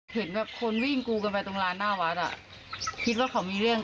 เห็นแบบคนวิ่งกูกันไปตรงร้านหน้าวัดอ่ะคิดว่าเขามีเรื่อง